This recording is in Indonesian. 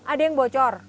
ada yang bocor